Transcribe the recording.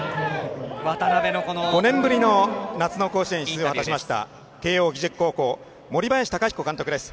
５年ぶりの夏の甲子園出場を果たしました慶応義塾高校、森林貴彦監督です。